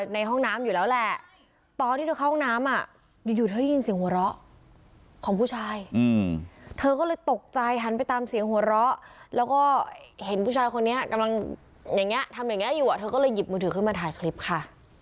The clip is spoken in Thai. ชายคนนี้กำลังอย่างเงี้ยทำอย่างเงี้ยอยู่อะเธอก็เลยหยิบมือถือขึ้นมาถ่ายคลิปค่ะ